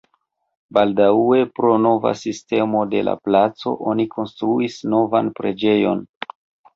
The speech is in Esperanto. Baldaŭe pro nova sistemo de la placo oni konstruis novan preĝejon.